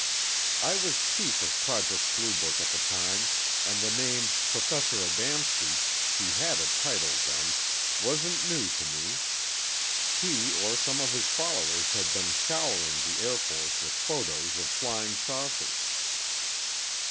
I was chief of Project Blue Book at the time and the name "Professor Adamski" he had a title then wasn't new to me. He, or some of his followers had been showering the Air Force with photos of flying saucers.